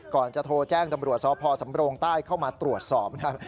ก่อนจะโทรแจ้งตำรวจสพสำโรงใต้เข้ามาตรวจสอบนะครับ